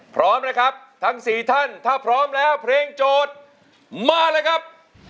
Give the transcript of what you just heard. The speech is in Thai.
พร้อมนะครับทั้ง๔ท่านถ้าพร้อมแล้วเพลงโจทย์มาเลยครับ